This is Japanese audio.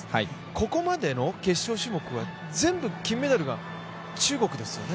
ここまでの決勝種目は全部金メダルが中国ですよね。